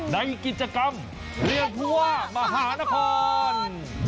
ในกิจกรรมเรียกผู้ว่ามหานคร